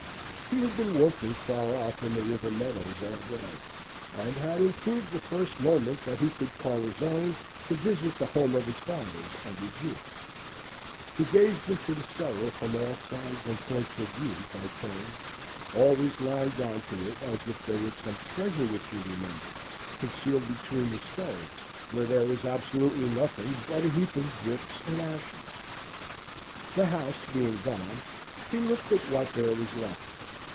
He had been working far off in the river meadows all day, and had improved the first moments that he could call his own to visit the home of his fathers and his youth. He gazed into the cellar from all sides and points of view by turns, always lying down to it, as if there was some treasure, which he remembered, concealed between the stones, where there was absolutely nothing but a heap of bricks and ashes. The house being gone, he looked at what there was left.